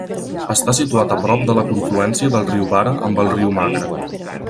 Està situat a prop de la confluència del riu Vara amb el riu Magra.